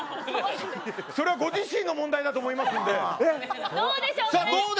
それはご自身の問題だと思いますので。